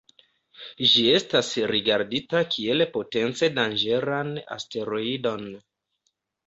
Ĝi estas rigardita kiel potence danĝeran asteroidon.